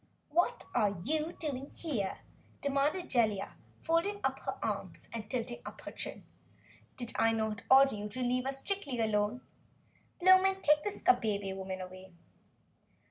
"Just what are you doing here?" demanded Jellia, folding her arms and tilting up her chin. "Did I not order you to leave us strictly alone? Blowmen, take this Kabebe woman away!"